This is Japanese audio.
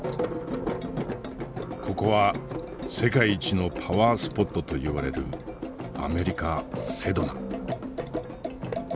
ここは世界一のパワースポットといわれるアメリカ・セドナ。